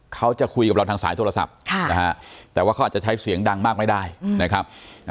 เขาจะคุยกับเราทางสายโทรศัพท์นะฮะแต่ว่าเขาอาจจะใช้เสียงดังมากไม่ได้นะครับ